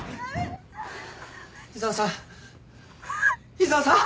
井沢さん。